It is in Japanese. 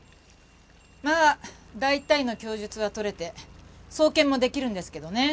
まあ大体の供述は取れて送検もできるんですけどね。